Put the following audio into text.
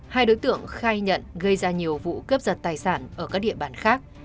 hai đối tượng khai nhận gây ra nhiều vụ cướp giật tài sản ở các địa bàn khác